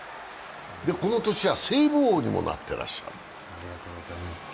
この年はセーブ王にもなってらっしゃる。